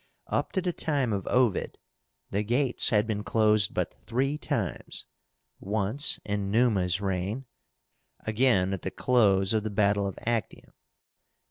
Up to the time of Ovid the gates had been closed but three times, once in Numa's reign, again at the close of the battle of Actium.